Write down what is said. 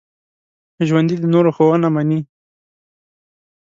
ژوندي د نورو ښوونه مني